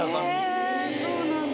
へぇそうなんだ。